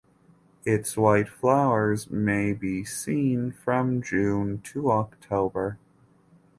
Its white flowers may be seen from June to October.